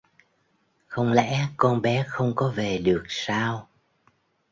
Không lẽ con bé không có về được sao